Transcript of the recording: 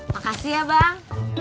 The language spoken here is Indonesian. makasih ya bang